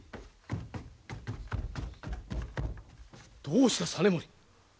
どうした実盛！